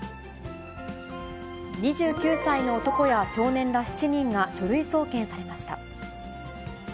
２９歳の男や少年ら７人が書類送検されました。